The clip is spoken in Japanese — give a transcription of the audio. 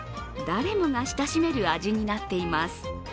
誰もが親しめる味になっています。